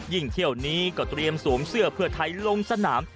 เที่ยวนี้ก็เตรียมสวมเสื้อเพื่อไทยลงสนาม